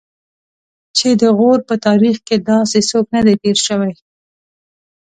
چې د غور په تاریخ کې داسې څوک نه دی تېر شوی.